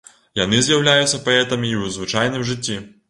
Яны з'яўляюцца паэтамі і ў звычайным жыцці.